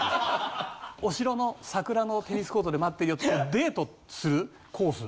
お城の桜のテニスコートで待ってるよってデートするコース